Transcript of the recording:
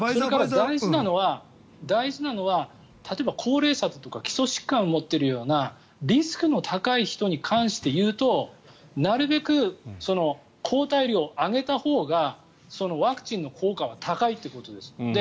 大事なのは例えば高齢者とか基礎疾患を持ってるようなリスクの高い人に関して言うとなるべく抗体量を上げた法がワクチンの効果は高いということです。